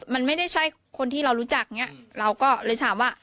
มันไม่ใช่คนที่เรารู้จักเนี่ยเราก็เลยถามว่า